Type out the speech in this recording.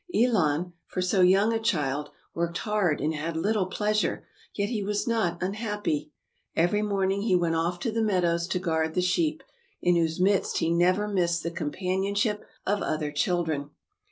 Elon, for so young a child, worked hard and had little pleasure, yet he was not un happy. Every morning he went off to the meadows to guard the sheep, in whose midst he never missed the companionship of other children.